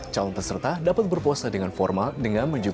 calon peserta dapat berpuasa dengan formal dengan menunjukkan